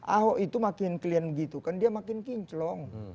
ahok itu makin klien gitu kan dia makin kinclong